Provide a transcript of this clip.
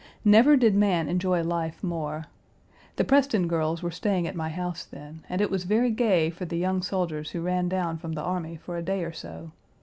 Never did man enjoy life more. The Preston girls were staying at my house then, and it was very gay for the young soldiers who ran down from the army for a day or so.